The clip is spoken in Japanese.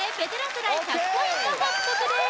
世代１００ポイント獲得です